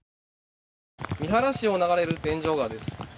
三原市を流れる天井川です。